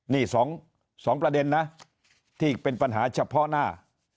นี่๒ประเด็นนะที่เป็นปัญหาเฉพาะหน้า